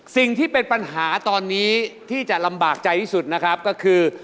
สิ่งที่เป็นปัญหาตอนนี้ที่จะลำบากใจที่สุดนะครับก็คือ